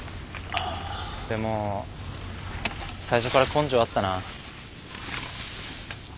でも最初から根性あったな。